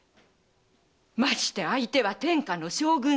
まして相手は天下の将軍様。